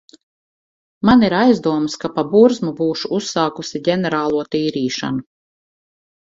Man ir aizdomas, ka pa burzmu būšu uzsākusi ģenerālo tīrīšanu.